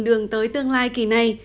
đường tới tương lai kỳ này